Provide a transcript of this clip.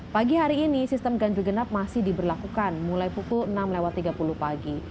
pagi hari ini sistem ganjil genap masih diberlakukan mulai pukul enam tiga puluh pagi